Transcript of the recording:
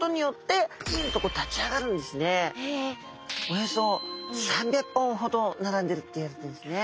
およそ３００本ほど並んでるっていわれているんですね。